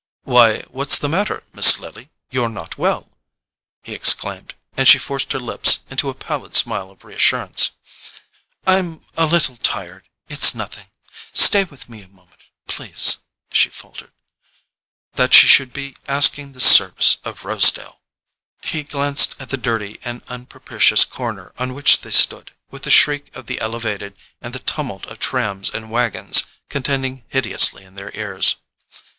"Why, what's the matter, Miss Lily? You're not well!" he exclaimed; and she forced her lips into a pallid smile of reassurance. "I'm a little tired—it's nothing. Stay with me a moment, please," she faltered. That she should be asking this service of Rosedale! He glanced at the dirty and unpropitious corner on which they stood, with the shriek of the "elevated" and the tumult of trams and waggons contending hideously in their ears.